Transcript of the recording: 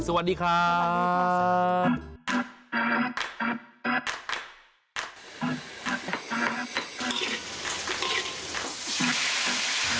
สวัสดีครับ